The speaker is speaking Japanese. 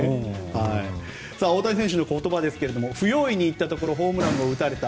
大谷選手の言葉ですけれど不用意にいったところホームランを打たれた。